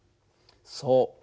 そう。